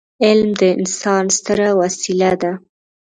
علم د انسان ستره وسيله ده.